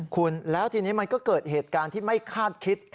คุณแล้วทีนี้มันก็เกิดเหตุการณ์ที่ไม่คาดคิด